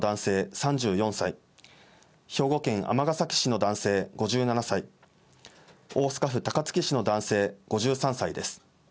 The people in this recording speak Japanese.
３４歳、兵庫県尼崎市の男性５７歳、大阪府高槻市の男性５３歳です。